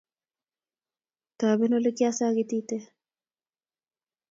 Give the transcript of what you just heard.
Toben olekiasikitite?